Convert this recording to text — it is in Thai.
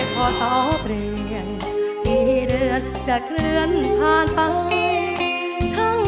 เพื่อร้องได้ให้ร้องได้ให้ร้าง